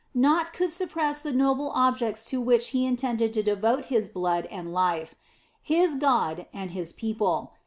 Naught could surpass the noble objects to which he intended to devote his blood and life his God and his people.